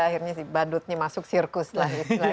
akhirnya badutnya masuk sirkus lah istilahnya